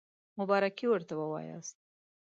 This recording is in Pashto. مبارکي ورته ووایاست.